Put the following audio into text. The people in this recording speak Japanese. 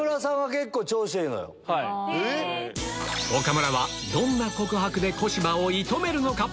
岡村はどんな告白で小芝を射止めるのか？